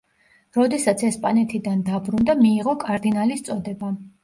როდესაც ესპანეთიდან დაბრუნდა მიიღო კარდინალის წოდება.